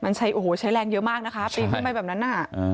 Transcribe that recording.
มันใช้แรงเยอะมากนะคะตีขึ้นไปแบบนั้น